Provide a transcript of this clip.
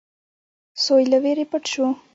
سوی له وېرې پټ شو.